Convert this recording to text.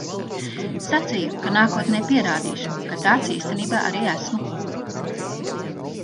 Sacīju, ka nākotnē pierādīšu, ka tāds īstenībā arī esmu.